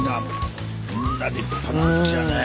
みんな立派なおうちやねえ。